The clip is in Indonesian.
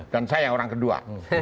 dan saya orang kedua